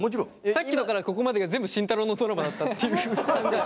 さっきのからここまでが全部慎太郎のドラマだったっていう。